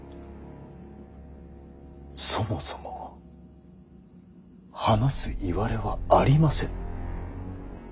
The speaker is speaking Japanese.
そもそも話すいわれはありませぬ。